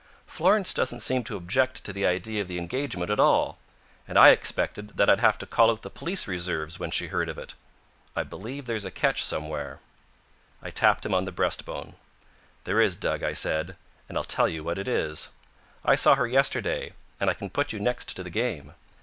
Florence doesn't seem to object to the idea of the engagement at all; and I'd expected that I'd have to call out the police reserves when she heard of it. I believe there's a catch somewhere." I tapped him on the breastbone. "There is, Dug," I said, "and I'll tell you what it is. I saw her yesterday, and I can put you next to the game.